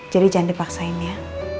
jadi jangan dipaksain ya